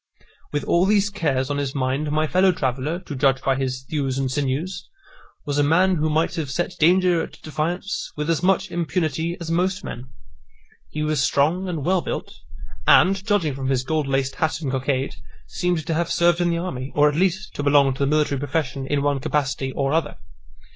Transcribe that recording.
With all these cares on his mind, my fellow traveller, to judge by his thews and sinews, was a man who might have set danger at defiance with as much impunity as most men. He was strong and well built; and, judging from his gold laced hat and cockade, seemed to have served in the army, or, at least, to belong to the military profession in one capacity or other.